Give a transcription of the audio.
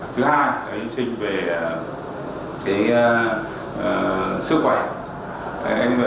thứ hai hi sinh về sức khỏe